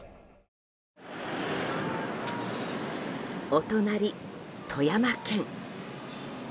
お隣、富山県。